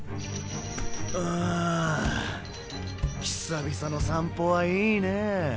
ああ久々の散歩はいいねぇ。